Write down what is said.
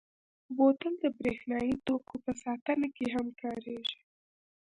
بوتل د برېښنايي توکو په ساتنه کې هم کارېږي.